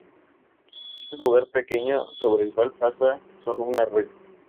Es un lugar pequeño sobre el cual pasa solo un arroyo.